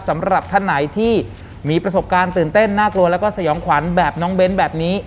สำหรับท่านไหนที่มีประสบการณ์ตื่นเต้นน่ากลัวแล้วก็สยองขวัญแบบน้องเบ้นแบบนี้